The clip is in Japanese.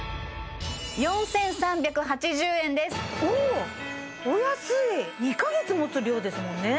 おおっお安い２カ月もつ量ですもんね